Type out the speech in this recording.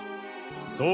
そう！